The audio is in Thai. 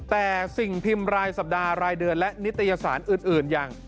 แต่สิ่งพิมพ์รายสัปดาห์รายเดือนและนิตยสารอื่นอย่าง